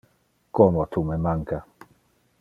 Como tu me manca.